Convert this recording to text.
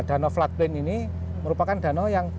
danau flat plain ini merupakan danau yang